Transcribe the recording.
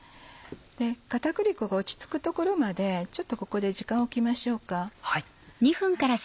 片栗粉が落ち着くところまでちょっとここで時間をおきましょうか。